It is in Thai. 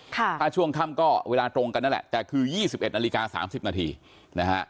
ถ้าช่วงค่ำก็เวลาตรงกันนั่นแหละแต่คือ๒๑นาฬิกา๓๐นาทีนะฮะ